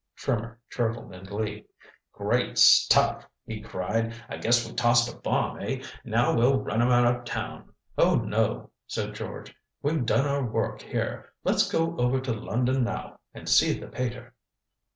Trimmer chortled in glee. "Great stuff," he cried. "I guess we tossed a bomb, eh? Now, we'll run him out of town." "Oh, no," said George. "We've done our work here. Let's go over to London now and see the pater."